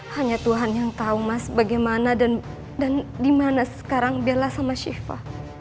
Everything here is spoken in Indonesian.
hanya tuhan yang tau mas bagaimana dan dimana sekarang bella sama shiva